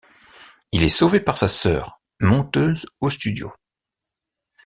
Il est sauvé par sa sœur, monteuse au studio.